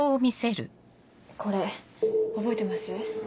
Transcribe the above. これ覚えてます？